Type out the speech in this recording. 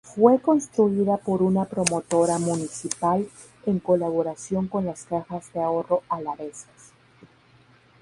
Fue construida por una promotora municipal en colaboración con las cajas de ahorro alavesas.